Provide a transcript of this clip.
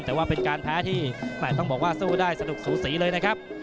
แต่ว่าเป็นการแพ้ที่ต้องบอกว่าสู้ได้สนุกสูสีเลยนะครับ